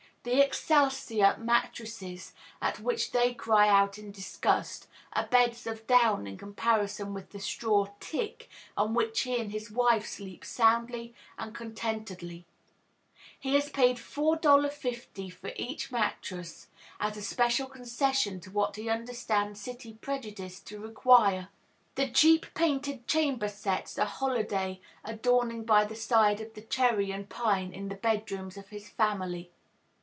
The "Excelsior" mattresses, at which they cry out in disgust, are beds of down in comparison with the straw "tick" on which he and his wife sleep soundly and contentedly. He has paid $4.50 for each mattress, as a special concession to what he understands city prejudice to require. The cheap painted chamber sets are holiday adorning by the side of the cherry and pine in the bedrooms of his family.